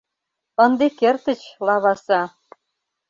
Ынде кертыч, лаваса.